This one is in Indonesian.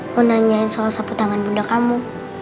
mau nanyain soal sapu tangan bunda kamu